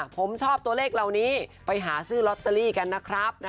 ผมชอบตัวเลขเหล่านี้ไปหาซื้อลอตเตอรี่กันนะครับ